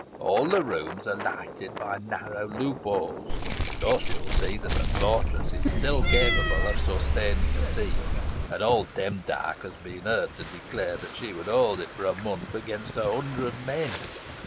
All the rooms are lighted by narrow loopholes. Thus you will see that the fortress is still capable of sustaining a siege, and old Demdike has been heard to declare that she would hold it for a month against a hundred men.